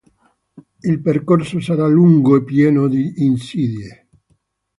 Il percorso sarà lungo e pieno di insidie.